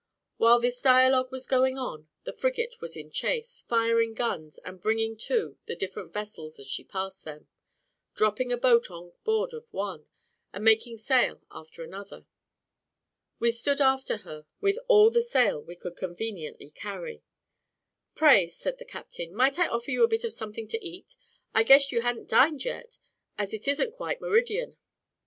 While this dialogue was going on, the frigate was in chase, firing guns, and bringing to the different vessels as she passed them, dropping a boat on board of one, and making sail after another. We stood after her with all the sail we could conveniently carry. "Pray," said the captain, "might I offer you a bit of something to eat? I guess you ha'n't dined yet, as it isn't quite meridian."